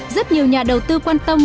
rất nhiều nhà đầu tư quan tâm